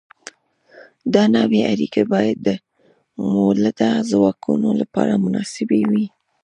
دا نوې اړیکې باید د مؤلده ځواکونو لپاره مناسبې وي.